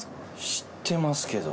知ってますけど。